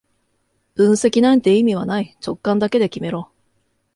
分析なんて意味はない、直感だけで決めろ